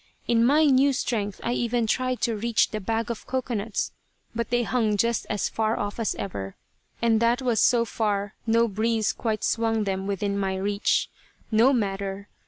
In my new strength I even tried to reach the bag of cocoanuts, but they hung just as far off as ever, and that was so far no breeze quite swung them within my reach. No matter!